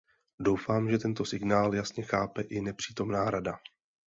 Doufám, že tento signál jasně chápe i nepřítomná Rada.